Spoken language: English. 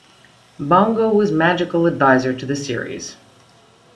Bongo was magical adviser to the series.